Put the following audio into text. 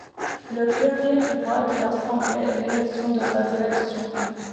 Le premier pouvoir de l'assemblée est l'élection de sa direction.